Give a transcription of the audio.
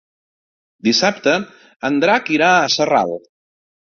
Dissabte en Drac irà a Sarral.